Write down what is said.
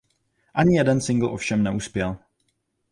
Ani jeden singl ovšem neuspěl.